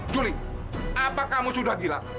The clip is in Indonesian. juli apa kamu sudah gila